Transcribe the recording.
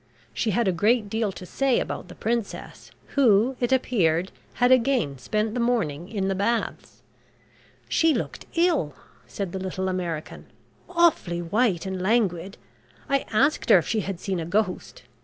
She had a great deal to say about the Princess, who, it appeared, had again spent the morning in the Baths. "She looked ill," said the little American. "Awfully white and languid. I asked her if she had seen a ghost.